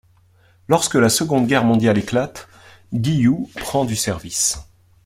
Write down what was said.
Lorsque la Seconde Guerre mondiale éclate, Guyou reprend du service.